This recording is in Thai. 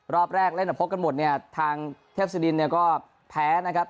รอบแรกเล่นแต่พบกันหมดเนี่ยทางเทพศิดินเนี่ยก็แพ้นะครับ